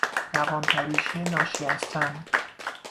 روان پریشی ناشی ازسم